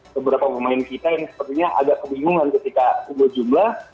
beberapa pemain kita yang sepertinya agak kebingungan ketika umur jumlah